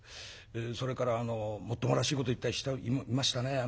それからもっともらしいこと言った人もいましたね。